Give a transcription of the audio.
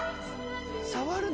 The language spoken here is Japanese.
「触るの？」